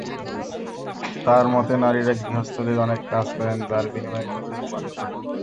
তাঁর মতে, নারীরা গৃহস্থালির অনেক কাজ করেন, যার বিনিময়ে মজুরি পান না।